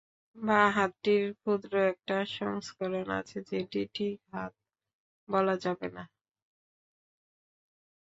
বাঁ হাতটির ক্ষুদ্র একটা সংস্করণ আছে, যেটিকে ঠিক হাত বলা যাবে না।